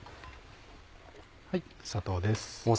砂糖です。